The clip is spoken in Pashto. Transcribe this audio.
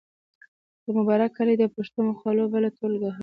د مبارک علي د پښتو مقالو بله ټولګه هم شته.